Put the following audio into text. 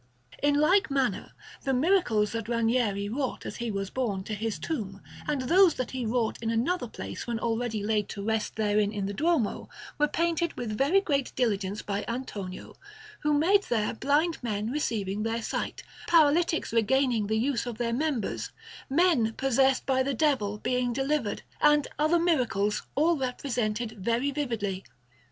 In like manner, the miracles that Ranieri wrought as he was borne to his tomb, and those that he wrought in another place when already laid to rest therein in the Duomo, were painted with very great diligence by Antonio, who made there blind men receiving their sight, paralytics regaining the use of their members, men possessed by the Devil being delivered, and other miracles, all represented very vividly.